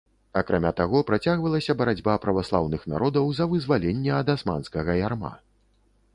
Акрамя таго, працягвалася барацьба праваслаўных народаў за вызваленне ад асманскага ярма.